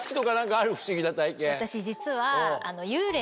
私実は。